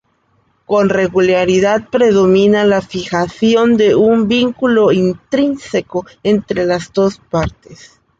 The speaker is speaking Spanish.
Con regularidad predomina la fijación de un vínculo intrínseco entre las dos partes.